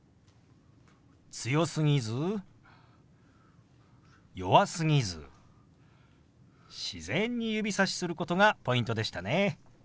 強すぎず弱すぎず自然に指さしすることがポイントでしたね。